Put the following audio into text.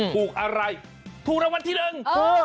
ถูกอะไรถูกรางวัลที่หนึ่ง